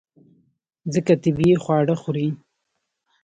ځکه طبیعي خواړه خوري.